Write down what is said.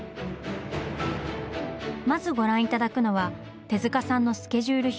まずご覧いただくのは手さんのスケジュール表。